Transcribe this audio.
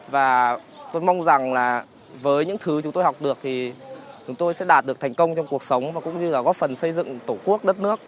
và tôi mong rằng là với những thứ chúng tôi học được thì chúng tôi sẽ đạt được thành công trong cuộc sống và cũng như là góp phần xây dựng tổ quốc đất nước